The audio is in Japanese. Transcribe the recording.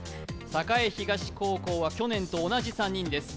栄東高校は去年と同じ３人です。